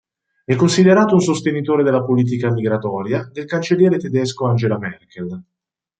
È considerato un sostenitore della politica migratoria del cancelliere tedesco Angela Merkel.